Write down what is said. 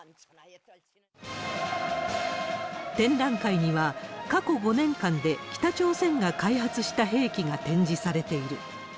展覧会には、過去５年間で北朝鮮が開発した兵器が展示されている。